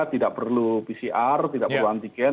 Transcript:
tidak perlu pcr tidak perlu antigen